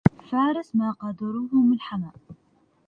فارس ما غادروه ملحما